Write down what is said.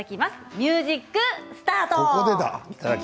ミュージックスタート！